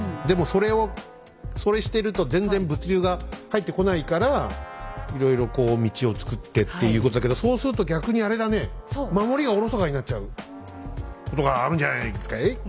でもそれをそれしてると全然物流が入ってこないからいろいろこう道をつくってっていうことだけどそうすると逆にあれだね守りがおろそかになっちゃうことがあるんじゃないですかい？